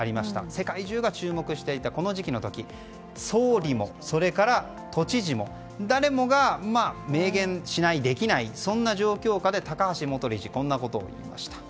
世界中が注目していたこの時期総理も、それから都知事も誰もが明言しないできないそんな状況下で高橋元理事はこんなことを言いました。